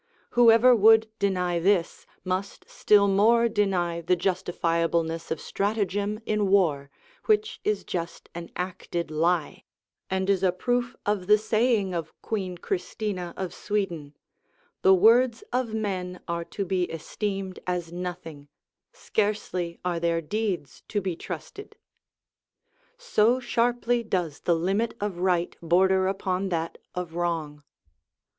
Whoever would deny this must still more deny the justifiableness of stratagem in war, which is just an acted lie, and is a proof of the saying of Queen Christina of Sweden, "The words of men are to be esteemed as nothing; scarcely are their deeds to be trusted." So sharply does the limit of right border upon that of wrong.